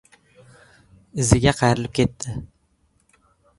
Iziga qayrilib ketdi.